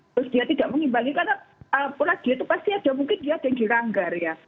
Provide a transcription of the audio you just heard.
terus dia tidak mengimbangi karena pula dia itu pasti ada mungkin dia ada yang dilanggar ya